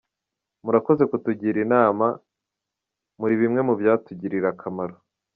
Murakoze kutugira inama, muribimwe mubyatugirira akamaro.